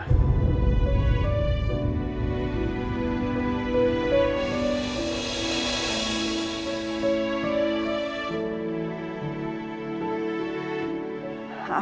aku mau bahagia